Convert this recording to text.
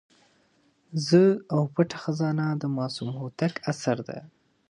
زه او پټه خزانه د معصوم هوتک اثر دی.